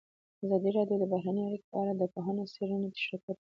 ازادي راډیو د بهرنۍ اړیکې په اړه د پوهانو څېړنې تشریح کړې.